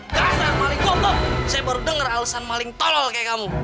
kasar maling gotoh saya baru dengar alesan maling tolol kayak kamu